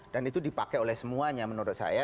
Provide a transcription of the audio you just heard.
dan itu dipakai oleh semuanya menurut saya